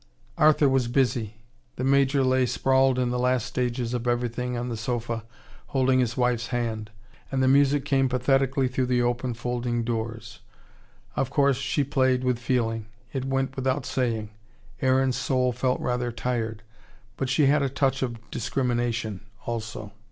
Arthur was busy. The Major lay sprawled in the last stages of everything on the sofa, holding his wife's hand. And the music came pathetically through the open folding doors. Of course, she played with feeling it went without saying. Aaron's soul felt rather tired. But she had a touch of discrimination also.